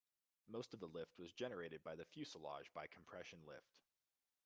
Most of the lift was generated by the fuselage by compression lift.